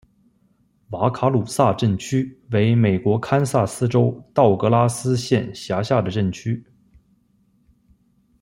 瓦卡鲁萨镇区为美国堪萨斯州道格拉斯县辖下的镇区。